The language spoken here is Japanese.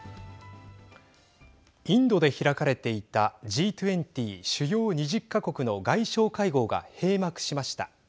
インドで開かれていたＧ２０＝主要２０か国の外相会合が閉幕しました。